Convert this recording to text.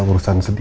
ya tuhan perch